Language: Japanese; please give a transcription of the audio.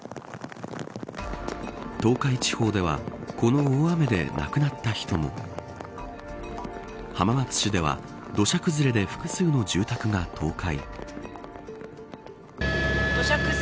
東海地方ではこの大雨で亡くなった人も浜松市では土砂崩れで複数の住宅が倒壊。